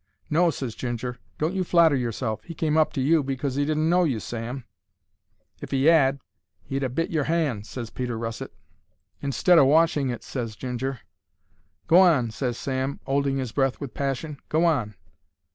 "No," ses Ginger. "Don't you flatter yourself. He came up to you because he didn't know you, Sam." "If he 'ad, he'd ha' bit your 'and," ses Peter Russet. "Instead o' washing it," ses Ginger. "Go on!" ses Sam, 'olding his breath with passion. "Go on!"